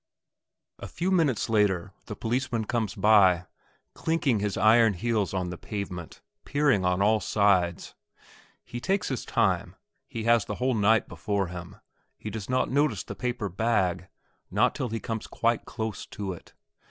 A few minutes later the policeman comes by, clinking his iron heels on the pavement, peering on all sides. He takes his time; he has the whole night before him; he does not notice the paper bag not till he comes quite close to it.